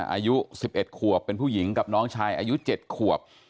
อายุ๑๑ขวบเป็นผู้หญิงกับน้องชายอายุ๗ขวบ